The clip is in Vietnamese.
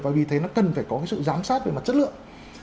và vì thế nó cần phải có cái sự giám sát về mặt chất lượng